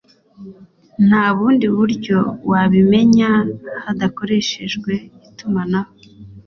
nta bundi buryo wabimenya hadakoreshejwe itumanaho